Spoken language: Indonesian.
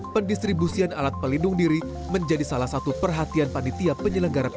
pendistribusian alat pelindung diri menjadi salah satu perhatian panitia penyelenggara pemilu